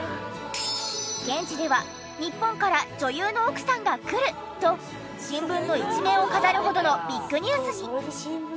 現地では「日本から女優の奥さんが来る！」と新聞の一面を飾るほどのビッグニュースに。